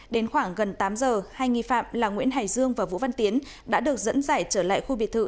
đến khoảng gần tám giờ hai nghi phạm là nguyễn hải dương và vũ văn tiến đã được dẫn giải trở lại khu biệt thự